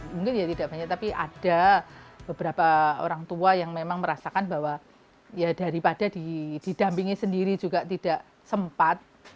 mungkin ya tidak banyak tapi ada beberapa orang tua yang memang merasakan bahwa ya daripada didampingi sendiri juga tidak sempat